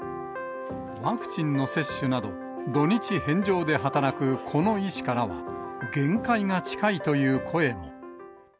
ワクチンの接種など、土日返上で働くこの医師からは、限界が近いという声も。